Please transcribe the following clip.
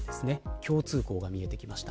共通項が見えてきました。